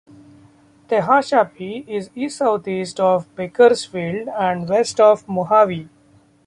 Tehachapi is east-southeast of Bakersfield, and west of Mojave.